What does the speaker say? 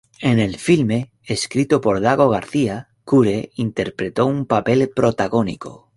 En el filme, escrito por Dago García, Cure interpretó un papel protagónico.